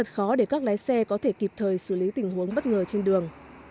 không thể kịp thời xử lý tình huống bất ngờ trên đường